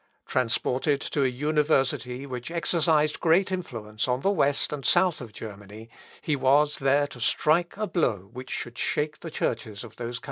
Transported to an university which exercised great influence on the west and south of Germany, he was there to strike a blow which should shake the churches of those countries.